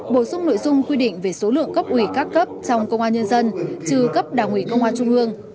bổ sung nội dung quy định về số lượng cấp ủy các cấp trong công an nhân dân trừ cấp đảng ủy công an trung ương